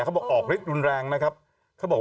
เขาบอกออกริดรุนแรงนะครับ